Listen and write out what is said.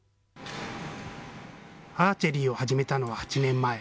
アーチェリーを始めたのは８年前。